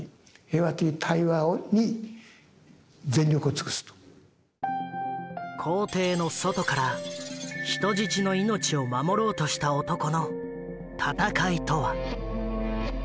とすると公邸の外から人質の命を守ろうとした男の戦いとは？